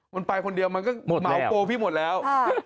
มันไปคนเดียวมันก็เหมาโกพี่หมดแล้ว